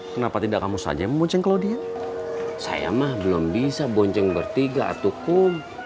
kenapa tidak kamu saja membonceng claudia saya mah belum bisa bonceng bertiga tuh kum